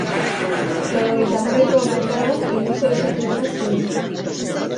Laurogeita hamarreko hamarkadan industrializatuenak ziren.